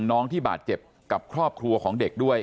น้องที่บาดเจ็บกับครอบครัวของเด็กด้วย